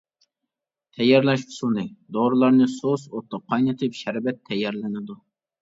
تەييارلاش ئۇسۇلى: دورىلارنى سۇس ئوتتا قاينىتىپ شەربەت تەييارلىنىدۇ.